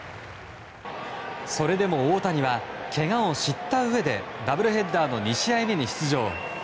それでも大谷はけがを知ったうえでダブルヘッダーの２試合目に出場。